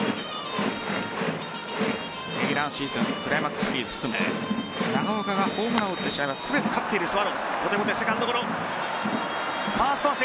レギュラーシーズンクライマックスシリーズ含め長岡がホームランを打った試合は全て勝っているスワローズ。